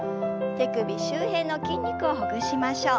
手首周辺の筋肉をほぐしましょう。